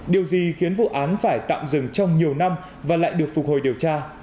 điều gì khiến vụ án phải tạm dừng trong nhiều năm và lại được phục hồi điều tra